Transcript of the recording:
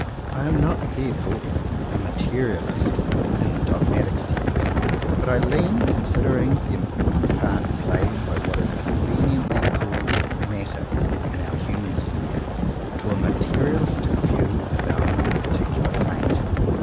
I am not therefore a materialist in the dogmatic sense, but I lean, considering the important part played by what is con veniently called matter in our human sphere, to a materialistic view of our own particular fate.